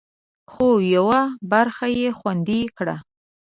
خو، یوه برخه یې خوندي کړه